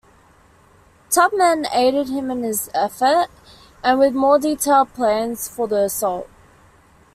Tubman aided him in this effort, and with more detailed plans for the assault.